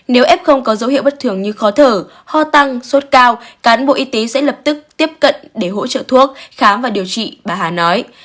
nếu f có dấu hiệu bất thường như khó thở ho tăng sốt cao cán bộ y tế sẽ lập tức tiếp cận để hỗ trợ thuốc khám và điều trị bà hà nói